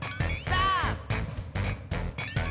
さあ！